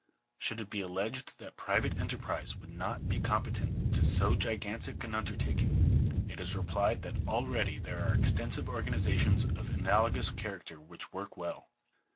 Should it be alleged that private enterprize would not be competent to so gigantic an undertaking, it is replied that already there are extensive organizations of analogous character which work well.